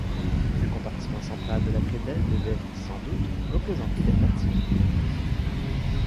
Le compartiment central de la prédelle devait, sans doute, représenter la Nativité.